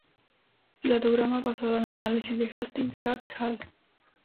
Cladograma basado en el análisis de Hastings "et al.